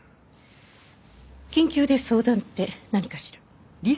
緊急で相談って何かしら？